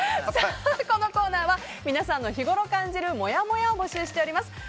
このコーナーは皆さんが日ごろ感じるもやもやを募集しています。